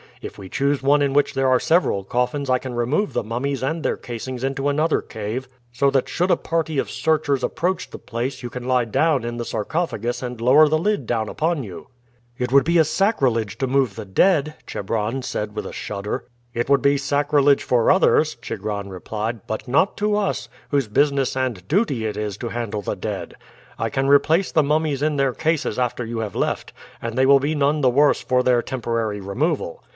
If we choose one in which there are several coffins I can remove the mummies and their casings into another cave, so that should a party of searchers approach the place you can lie down in the sarcophagus and lower the lid down upon you." "It would be sacrilege to move the dead," Chebron said with a shudder. "It would be sacrilege for others," Chigron replied, "but not to us, whose business and duty it is to handle the dead. I can replace the mummies in their cases after you have left, and they will be none the worse for their temporary removal.